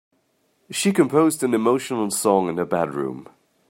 She composed an emotional song in her bedroom.